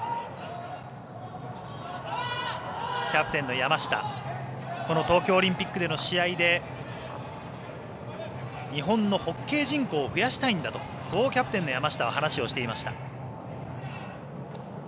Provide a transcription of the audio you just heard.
山下、東京オリンピックの試合で日本のホッケー人口を増やしたいんだとそうキャプテンの山下は話をしていました。